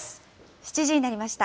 ７時になりました。